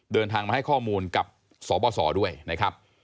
เดินทางมาให้ข้อมูลกับสบสด้วยนะครับ